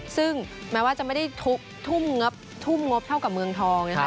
ซึ่งแม้ว่าจะไม่ได้ทุ่มงบเท่ากับเมืองทองนะคะ